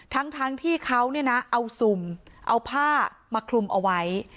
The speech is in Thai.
ทั้งที่เขาเนี่ยนะเอาสุ่มเอาผ้ามาคลุมเอาไว้